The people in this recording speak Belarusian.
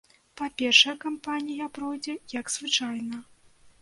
Па-першае, кампанія пройдзе як звычайна.